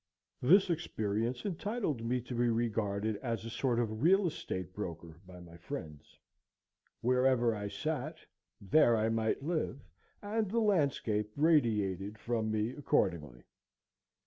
This experience entitled me to be regarded as a sort of real estate broker by my friends. Wherever I sat, there I might live, and the landscape radiated from me accordingly.